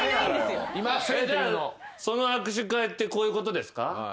その悪手会ってこういうことですか？